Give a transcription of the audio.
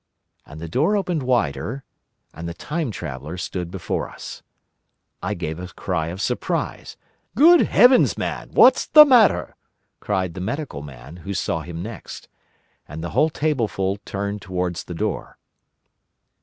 And the door opened wider, and the Time Traveller stood before us. I gave a cry of surprise. "Good heavens! man, what's the matter?" cried the Medical Man, who saw him next. And the whole tableful turned towards the door.